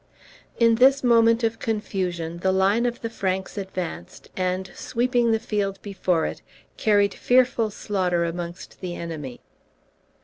In this moment of confusion the line of the Franks advanced, and, sweeping the field before it, carried fearful slaughter amongst the enemy.